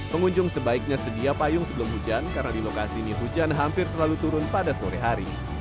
pengunjung sebaiknya sedia payung sebelum hujan karena di lokasi ini hujan hampir selalu turun pada sore hari